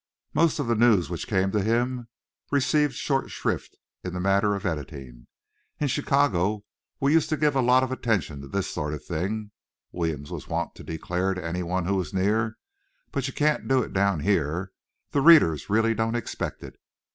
Most of the news which came to him received short shrift in the matter of editing. "In Chicago we used to give a lot of attention to this sort of thing," Williams was wont to declare to anyone who was near, "but you can't do it down here. The readers really don't expect it.